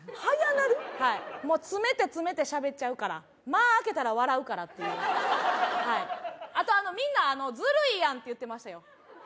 はい詰めて詰めてしゃべっちゃうから間あけたら笑うからっていうはいあとみんな「ずるいやん」って言ってましたよ